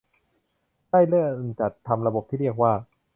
ได้เริ่มจัดทำระบบที่เรียกว่า